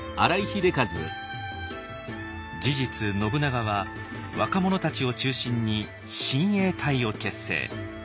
事実信長は若者たちを中心に親衛隊を結成。